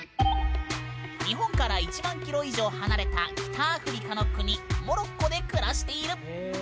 日本から１万キロ以上離れた北アフリカの国モロッコで暮らしている。